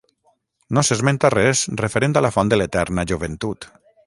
No s'esmenta res referent a la font de l'eterna joventut.